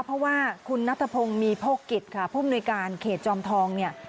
เพราะว่าคุณนัทพงศ์มีโภคกิจค่ะผู้มนุยการเขตจอมทองเนี่ย